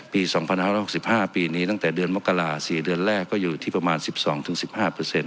ปีสองพันห้าร้ายหกสิบห้าปีนี้ตั้งแต่เดือนมกราศีเดือนแรกก็อยู่ที่ประมาณสิบสองถึงสิบห้าเปอร์เซ็นต์